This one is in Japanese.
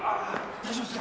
大丈夫ですか？